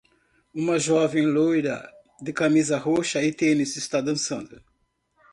Uma jovem loira de camisa roxa e tênis está dançando.